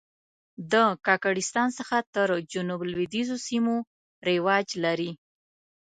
د کاکړستان څخه تر جنوب لوېدیځو سیمو رواج لري.